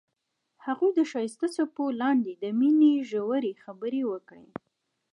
هغوی د ښایسته څپو لاندې د مینې ژورې خبرې وکړې.